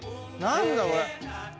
何だこれ。